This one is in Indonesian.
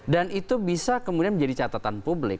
dan itu bisa kemudian menjadi catatan publik